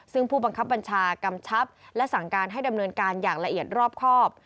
ซึ่งผู้บังคับบัญชากำชับและสั่งการให้ดำเนินการอย่างละเอียดรอบครอบ